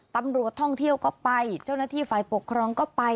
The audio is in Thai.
ตำรวจท่องเที่ยวก็ไปเจ้าหน้าที่ฝ่ายปกครองก็ไป